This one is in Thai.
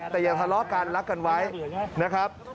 แต่อย่าทะเลาะกันรักกันไว้นะครับ